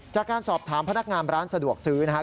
จากการสอบถามพนักงานร้านสะดวกซื้อนะครับ